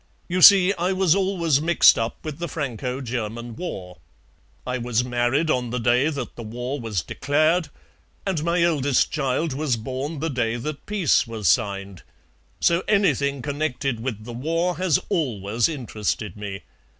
You see, I was always mixed up with the Franco German war; I was married on the day that the war was declared, and my eldest child was born the day that peace was signed, so anything connected with the war has always interested me.